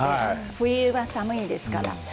冬は寒いですからね。